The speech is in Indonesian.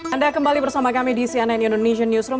anda kembali bersama kami di cnn indonesian newsroom